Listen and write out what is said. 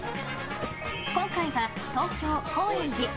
今回は東京・高円寺。